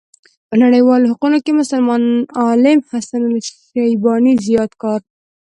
په نړيوالو حقوقو کې مسلمان عالم حسن الشيباني زيات کار